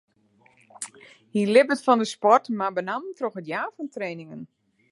Hy libbet fan de sport, mar benammen troch it jaan fan trainingen.